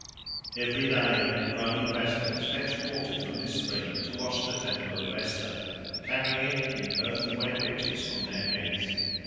Every day the Roman Vestals fetched water from this spring to wash the temple of Vesta, carrying it in earthenware pitchers on their heads.